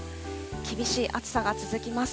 厳しい暑さが続きます。